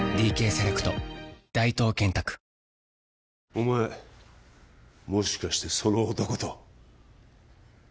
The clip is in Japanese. お前もしかしてその男と？